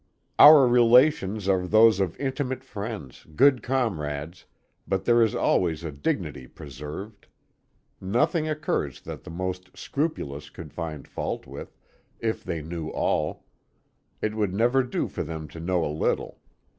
Our relations are those of intimate friends, good comrades, but there is always a dignity preserved. Nothing occurs that the most scrupulous could find fault with if they knew all; it would never do for them to know a little.